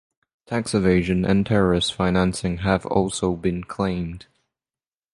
Tax evasion and terrorist financing have also been claimed.